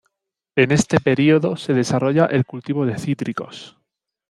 En este período se desarrolla el cultivo de cítricos.